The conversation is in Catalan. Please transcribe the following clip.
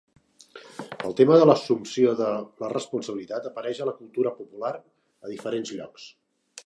El tema de l'assumpció de la responsabilitat apareix a la cultura popular, a diferents llocs.